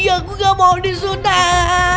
aku gak mau disunat